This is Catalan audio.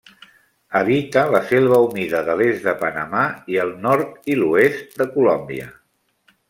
Habita la selva humida de l'est de Panamà i el nord i l'oest de Colòmbia.